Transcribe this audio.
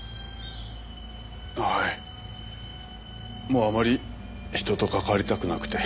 もうあまり人と関わりたくなくて。